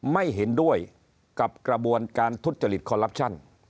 ไม่เห็นด้วยกับกระบวนการทุจริตคอลลับชั่น